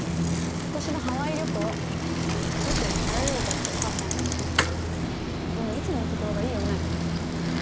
今年のハワイ旅行ホテル変えようかってお母さんが言っててでもいつものところがいいよね？